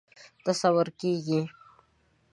تصور کېږي.